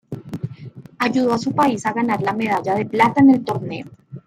Ayudó a su país a ganar la medalla de plata en el torneo.